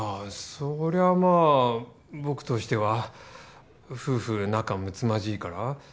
そりゃまあ僕としては夫婦仲むつまじいから？